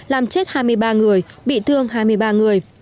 làm chết hai mươi ba người